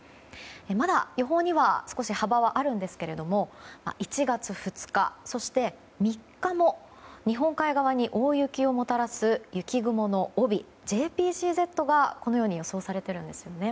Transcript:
まだ予報には少し、幅はあるんですが１月２日、３日も日本海側に大雪をもたらす雪雲の帯、ＪＰＣＺが予想されているんですね。